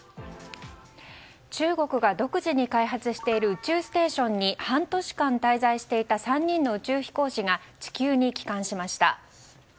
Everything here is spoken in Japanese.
中国が独自に開発している宇宙ステーションに半年間滞在していた３人の宇宙飛行士が地球に帰還しました。